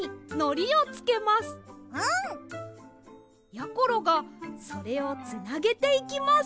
やころがそれをつなげていきます。